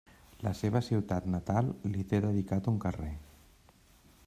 La seva ciutat natal li té dedicat un carrer.